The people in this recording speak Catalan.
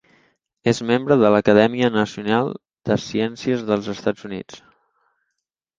És membre de l'Acadèmia Nacional de Ciències dels Estats Units.